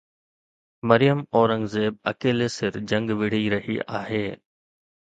مريم اورنگزيب اڪيلي سر جنگ وڙهي رهي آهي.